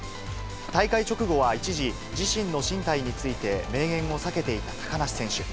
大会直後は一時、自身の進退について明言を避けていた高梨選手。